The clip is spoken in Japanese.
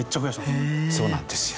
そうなんですよ。